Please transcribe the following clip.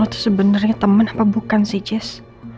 lo tuh sebenernya temen apa bukan sih jess